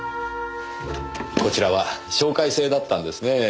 こちらは紹介制だったんですねえ。